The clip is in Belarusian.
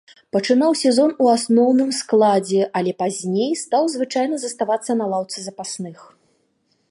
Пачынаў сезон у асноўным складзе, але пазней стаў звычайна заставацца на лаўцы запасных.